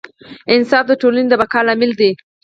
انصاف د ټولنې د بقا لامل دی.